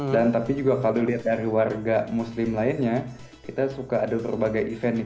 dan tapi juga kalau dilihat dari warga muslim lainnya kita suka ada berbagai event nih